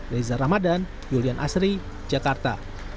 reza ramadan julian asri jakarta